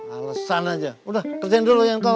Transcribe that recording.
alasan aja udah kerjain dulu yang tahu